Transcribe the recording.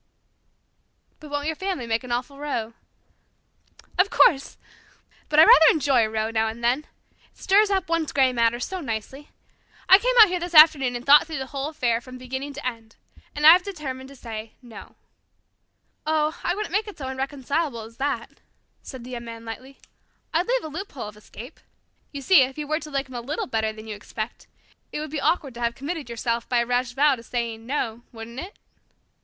'" "But won't your family make an awful row?" "Of course. But I rather enjoy a row now and then. It stirs up one's grey matter so nicely. I came out here this afternoon and thought the whole affair over from beginning to end. And I have determined to say 'no.'" "Oh, I wouldn't make it so irreconcilable as that," said the Young Man lightly. "I'd leave a loophole of escape. You see, if you were to like him a little better than you expect, it would be awkward to have committed yourself by a rash vow to saying 'no,' wouldn't it?"